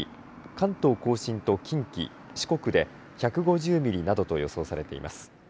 関東甲信と近畿、四国で１５０ミリなどと予想されています。